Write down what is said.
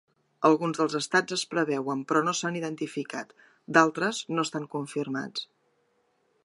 Alguns dels estats es preveuen, però no s'han identificat; d'altres no estan confirmats.